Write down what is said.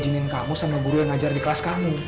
izinin kamu sama guru yang ngajar di kelas kamu